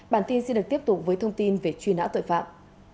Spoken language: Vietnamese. bản tin sẽ được tiếp tục với thông tin về truy nã tội phạm